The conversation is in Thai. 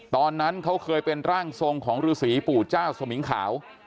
ตอนนั้นเขาเคยเป็นร่างทรงของฤษีปู่เจ้าสมิงขาว